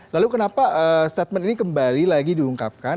lalu kenapa statement ini kembali lagi diungkapkan